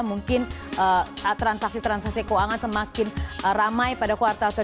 mungkin transaksi transaksi keuangan semakin ramai pada kuartal satu